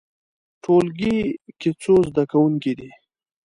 ټولګی کې څو زده کوونکي دي؟